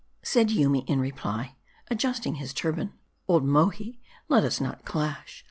Said Yoomy, in reply, adjusting his turban, " Old Mohi, let us not clash.